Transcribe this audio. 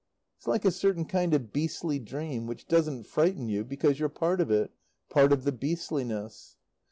It's like a certain kind of beastly dream which doesn't frighten you because you're part of it, part of the beastliness.